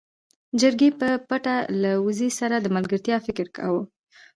چرګې په پټه له وزې سره د ملګرتيا فکر کاوه.